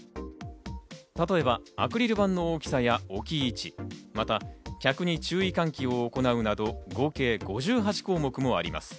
例えばアクリル板の大きさや置き位置、さらに客に注意喚起を行うなど、合計５８項目です。